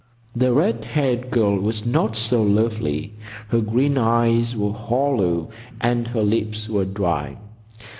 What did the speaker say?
The red haired girl was not so lovely. Her green eyes were hollow and her lips were dry.